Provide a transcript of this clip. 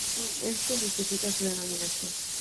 Esto justifica su denominación.